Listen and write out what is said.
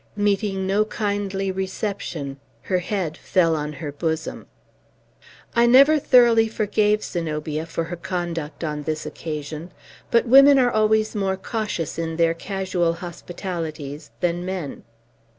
Meeting no kindly reception, her head fell on her bosom. I never thoroughly forgave Zenobia for her conduct on this occasion. But women are always more cautious in their casual hospitalities than men.